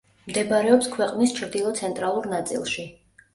მდებარეობს ქვეყნის ჩრდილო–ცენტრალურ ნაწილში.